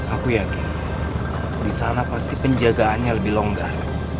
aku yakin disana pasti penjagaannya lebih longgar